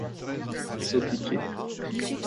Saut piqué.